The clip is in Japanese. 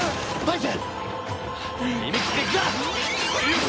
バイス。